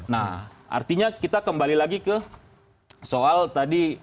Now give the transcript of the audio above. nah artinya kita kembali lagi ke soal tadi